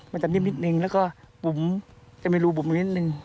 มันจะนิ่มนิดนึงและก็จะมีรูบุมนิดนึง